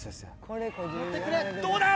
どうだ！